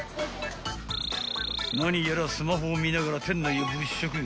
［何やらスマホを見ながら店内を物色］